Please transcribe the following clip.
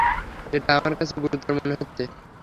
এটা আমার কাছে গুরুতর মনে হচ্ছে।